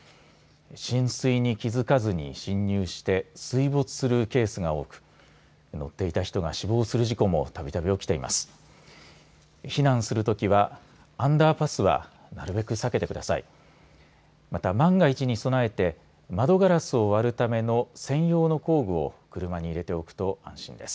浸水に気づかずに進入して水没するケースが多く乗っていた人が死亡する事故もたびたび起きています。